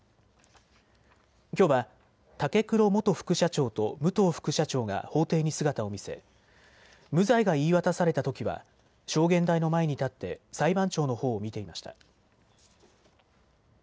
きょうは武黒元副社長と武藤副社長が法廷に姿を見せ、無罪が言い渡されたときは証言台の前に立って裁判長のほうを見ていました。